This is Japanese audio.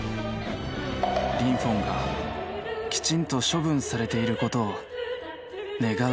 「リンフォンがきちんと処分されていることを願うばかりです」